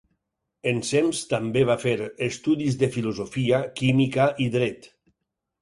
Ensems, també va fer, estudis de filosofia, química i dret.